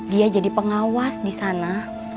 dia jadi pengawas di sana